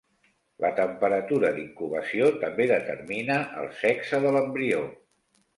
La temperatura d'incubació també determina el sexe de l'embrió.